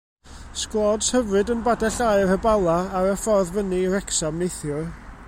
Sglods hyfryd yn Badell Aur, Y Bala, ar y ffordd fyny i Wrecsam neithiwr.